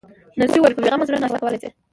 نرسې وویل: په بې غمه زړه ناشته کولای شئ.